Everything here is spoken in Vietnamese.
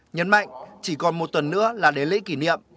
nhấn mạnh chỉ còn một tuần nữa là đến lễ kỷ niệm